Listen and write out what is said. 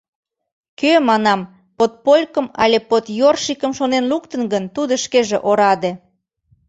Кӧ, манам, «подполькым» але «подъёршикым» шонен луктын гын, тудо шкеже ораде.